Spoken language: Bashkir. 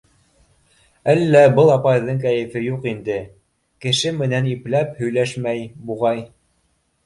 Әллә был апайҙың кәйефе юҡ инде? Кеше менән ипләп һөйләшмәй, буғай.